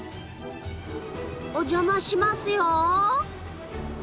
お邪魔しますよ。